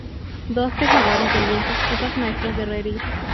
Dos tejedores de lienzos y dos maestros de herrería.